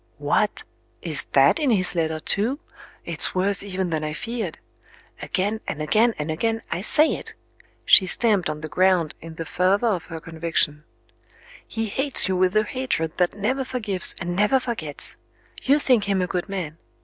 "What! Is that in his letter too? It's worse even than I feared. Again, and again, and again, I say it" she stamped on the ground in the fervor of her conviction "he hates you with the hatred that never forgives and never forgets. You think him a good man.